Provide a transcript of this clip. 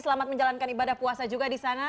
selamat menjalankan ibadah puasa juga di sana